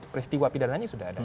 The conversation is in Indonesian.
peristiwa pidananya sudah ada